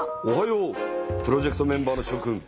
おはようプロジェクトメンバーのしょ君。